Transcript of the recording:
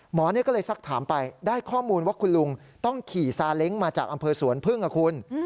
หมอก็เลยสักถามไปได้ข้อมูลว่าคุณลุงต้องขี่ซาเล้งมาจากอำเภอสวนพึ่งนะคุณ